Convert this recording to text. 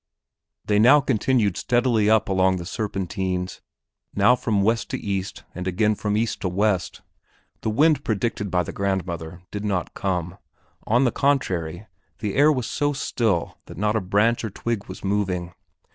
They now continued steadily up along the serpentines, now from west to east and again from east to west. The wind predicted by grandmother did not come; on the contrary, the air was so still that not a branch or twig was moving.